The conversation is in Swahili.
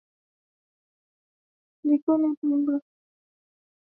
Likoni hapa Mombasa pamejaa vijana.